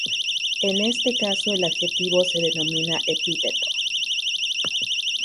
En este caso al adjetivo se denomina epíteto.